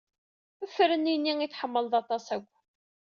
Fren ini ay tḥemmleḍ aṭas akk.